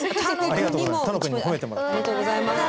ありがとうございます。